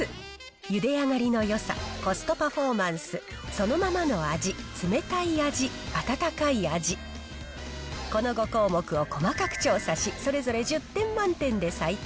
ゆで上がりのよさ、コストパフォーマンス、そのままの味、冷たい味、温かい味、この５項目を細かく調査し、それぞれ１０点満点で採点。